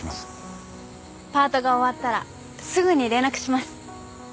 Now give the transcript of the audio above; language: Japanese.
パートが終わったらすぐに連絡します。